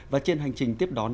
và trên hành trình tiếp đón